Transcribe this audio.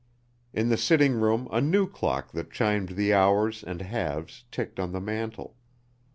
In the sitting room a new clock that chimed the hours and halves ticked on the mantel.